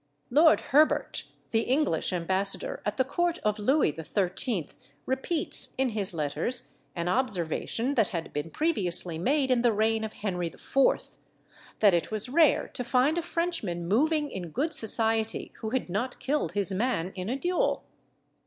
Lord Herbert, the English ambassador at the court of Louis XIII., repeats, in his letters, an observation that had been previously made in the reign of Henry IV., that it was rare to find a Frenchman moving in good society who had not killed his man in a duel.